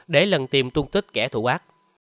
để lần tìm tung tích kẻ thủ ác